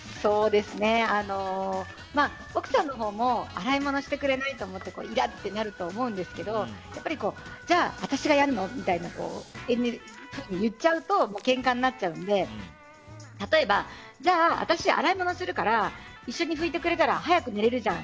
奥さんのほうも洗い物してくれないと思っていらってなると思うんですけどじゃあ、私がやるの？みたいなふうに言っちゃうとけんかになっちゃうので例えば、じゃあ私が洗い物するから一緒に拭いてくれたら早く寝れるじゃん。